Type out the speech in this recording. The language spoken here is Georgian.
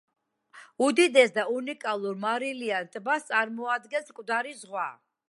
უდიდეს და უნიკალურ მარილიან ტბას წარმოადგენს მკვდარი ზღვა.